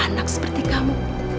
anak seperti kamu